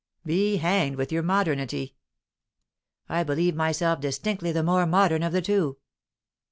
"Be hanged with your modernity! I believe myself distinctly the more modern of the two."